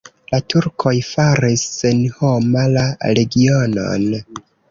La turkoj faris senhoma la regionon.